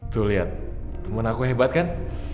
tuh lihat teman aku hebat kan